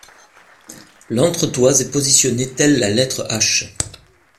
L'entretoise est positionnée telle la lettre H.